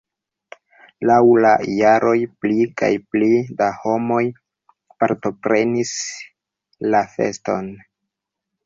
Laŭ la jaroj pli kaj pli da homoj partoprenis la feston.